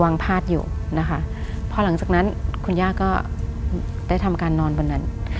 พาดอยู่นะคะพอหลังจากนั้นคุณย่าก็ได้ทำการนอนบนนั้น